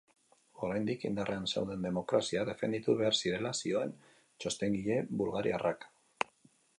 Oraindik indarrean zeuden demokraziak defenditu behar zirela zioen txostengile bulgariarrak.